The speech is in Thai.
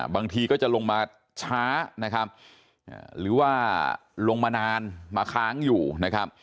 บางทีก็จะลงมาช้านะครับหรือว่าลงมานานมาค้างอยู่นะครับ